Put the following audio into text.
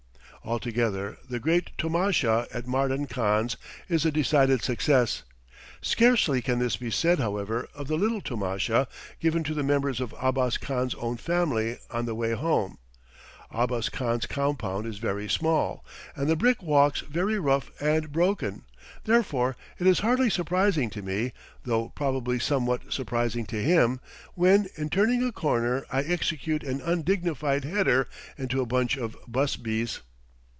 Altogether, the great tomasha at Mardan Khan's is a decided success. Scarcely can this be said, however, of the "little tomasha" given to the members of Abbas Khan's own family on the way home. Abbas Khan's compound is very small, and the brick walks very rough and broken; therefore, it is hardly surprising to me, though probably somewhat surprising to him, when, in turning a corner I execute an undignified header into a bunch of busbies.